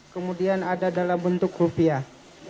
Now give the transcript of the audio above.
kemudian ada dalam bentuk rupiah